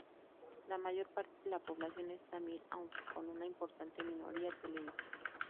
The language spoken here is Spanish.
La mayor parte de la población es tamil aunque con una importante minoría telugu.